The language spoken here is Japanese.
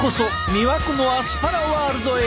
魅惑のアスパラワールドへ。